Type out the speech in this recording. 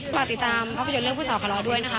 ฝากติดตามภาพยนตร์เรื่องผู้สาวคาราด้วยนะคะ